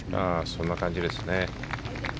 そんな感じですね。